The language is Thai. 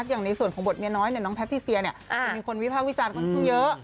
อย่างในส่วนของบทเมียน้อยเนี่ยน้องแพทย์ที่เซียเนี่ยเป็นคนวิภาควิจารณ์ค่อนขึ้นเยอะ